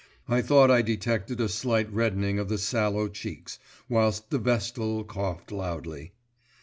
I thought I detected a slight reddening of the sallow cheeks, whilst the Vestal coughed loudly.